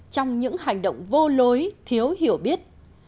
trong những hành động vô lối thiếu hiểu biết